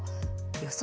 予想